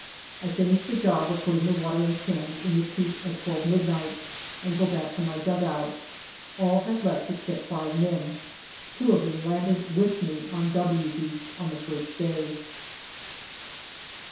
I finish the job of putting the water in cans in the keep at twelve midnight and go back to my dugout. All have left except five men. Two of them landed with me on " W " Beach on the first day.